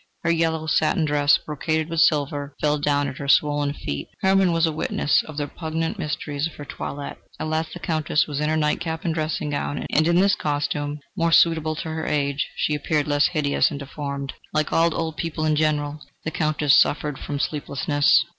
Her yellow satin dress, brocaded with silver, fell down at her swollen feet. Hermann was a witness of the repugnant mysteries of her toilette; at last the Countess was in her night cap and dressing gown, and in this costume, more suitable to her age, she appeared less hideous and deformed. Like all old people in general, the Countess suffered from sleeplessness.